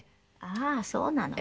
ああそうなのか。